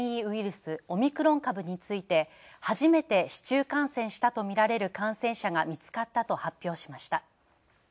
スオミクロン株について初めて市中感染したとみられる感染者が見つかったと発表しました。